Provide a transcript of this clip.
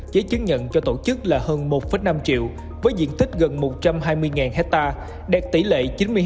giấy chứng nhận cho tổ chức là hơn một năm triệu với diện tích gần một trăm hai mươi hectare đạt tỷ lệ chín mươi hai bốn mươi bảy